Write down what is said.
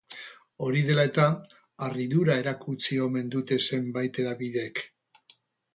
Hori dela eta, harridura erakutsi omen dute zenbait hedabidek.